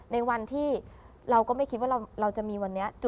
ในวันที่เราก็ไม่คิดว่าเราจะมีวันนี้